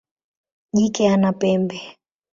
Jike hana pembe.